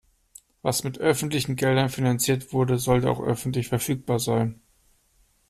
Was mit öffentlichen Geldern finanziert wurde, sollte auch öffentlich verfügbar sein.